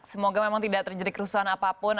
semoga memang tidak terjadi kerusuhan apapun